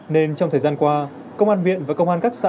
nên trong thời gian qua công an huyện và công an các xã